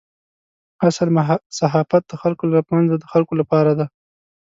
اصل صحافت د خلکو له منځه د خلکو لپاره دی.